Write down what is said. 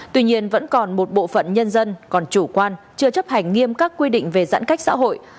tuy nhiên vẫn còn một bộ phận nhân dân còn chủ quan chưa chấp hành nghiêm các quy định về giãn cách xã hội